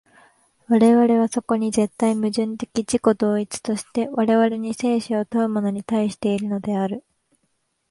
我々はそこに絶対矛盾的自己同一として、我々に生死を問うものに対しているのである。